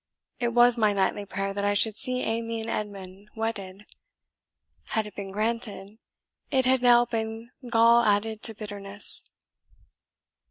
It was my nightly prayer that I should see Amy and Edmund wedded, had it been granted, it had now been gall added to bitterness."